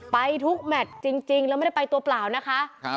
ไปทุกแมทจริงแล้วไม่ได้ไปตัวเปล่านะคะ